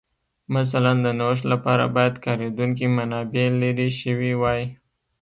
مثلاً د نوښت لپاره باید کارېدونکې منابع لرې شوې وای